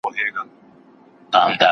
فطري غریزې باید په سمه توګه رهبري سي.